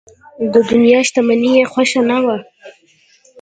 د دنیا شتمني یې خوښه نه وه.